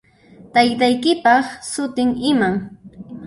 Taytaykipaq sutin iman?